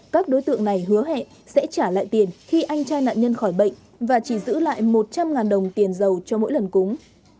các đối tượng này hứa hẹn sẽ trả lại tiền khi anh trai nạn nhân khỏi bệnh và chỉ giữ lại một trăm linh đồng tiền dầu cho mỗi lần cúng